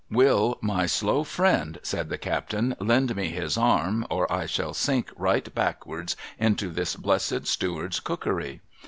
' Will my slow friend,' said the captain, ' lend me his arm, or I shall sink right back'ards into this blessed steward's cookery